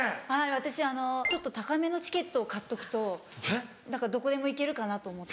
私ちょっと高めのチケットを買っとくとどこでも行けるかなと思って。